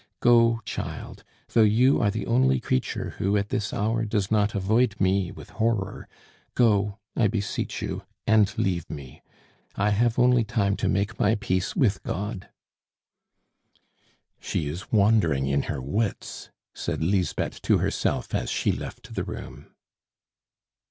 Go, child, though you are the only creature who, at this hour, does not avoid me with horror go, I beseech you, and leave me. I have only time to make my peace with God!" "She is wandering in her wits," said Lisbeth to herself, as she left the room.